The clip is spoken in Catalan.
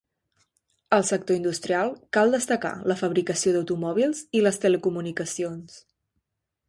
Al sector industrial cal destacar la fabricació d'automòbils i les telecomunicacions.